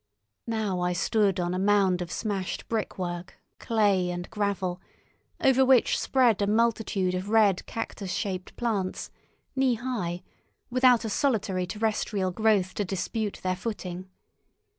Now I stood on a mound of smashed brickwork, clay, and gravel, over which spread a multitude of red cactus shaped plants, knee high, without a solitary terrestrial growth to dispute their footing.